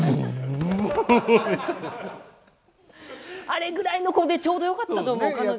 あれぐらいの子でちょうどよかったと思う彼女は。